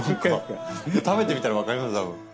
食べてみたら分かります多分。